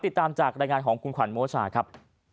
ติดตามจากรายงานของคุณขวัญโมชาครับ